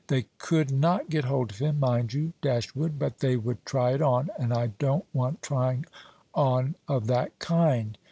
They could not get hold of him, mind you, Dashwood, but they would try it on, and I don't want trying on of that kind."